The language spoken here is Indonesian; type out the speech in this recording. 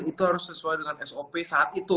itu harus sesuai dengan sop saat itu